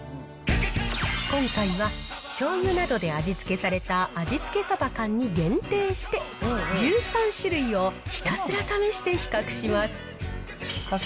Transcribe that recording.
今回は、しょうゆなどで味付けされた味付けサバ缶に限定して、１３種類をひたすら試して比較します。